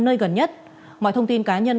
nơi gần nhất mọi thông tin cá nhân